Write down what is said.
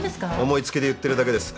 思い付きで言ってるだけです。